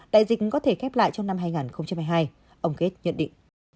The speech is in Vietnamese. đại dịch cũng có thể kép lại trong năm hai nghìn hai mươi hai ông gates nhận định